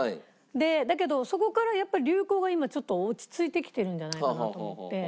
だけどそこからやっぱり流行が今ちょっと落ち着いてきてるんじゃないかなと思って。